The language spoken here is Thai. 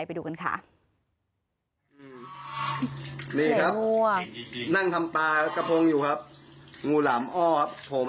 จะแดกปลากับของกูแล้วล่ะมึง